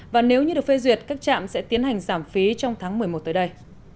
và nếu như được phê duyệt các trạm sẽ tiến hành giảm phí trong tháng một mươi một tới đây